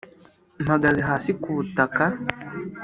mpagaze hasi ku butaka.